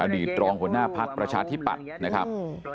อดีตรองหัวหน้าพัทธ์ประชาธิบัตินะครับ